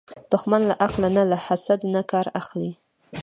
دښمن له عقل نه، له حسد نه کار اخلي